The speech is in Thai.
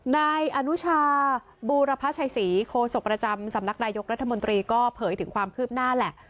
นายอนุชาบูรพชัยศรีโคศกประจำสำนักนายกรัฐมนตรีก็เผยถึงความคืบหน้าแหละ